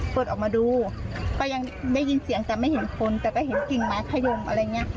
เปิดออกมาดูก็ยังได้ยินเสียงแต่ไม่เห็นคนแต่ก็เห็นกิ่งไม้ขยมอะไรอย่างนี้